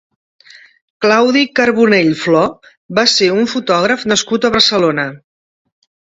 Claudi Carbonell Flo va ser un fotògraf nascut a Barcelona.